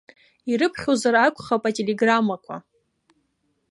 Ирыԥхьозар акәхап ателеграммақәа.